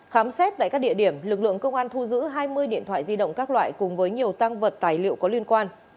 khám xét tại các địa điểm lực lượng công an thu giữ hai mươi điện thoại di động các loại cùng với nhiều tăng vật tài liệu có liên quan